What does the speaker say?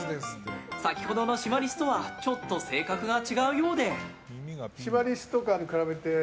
先ほどのシマリスとはちょっと性格が違うようで。